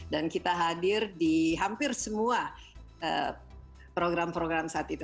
dan kita hadir di hampir semua program program saat itu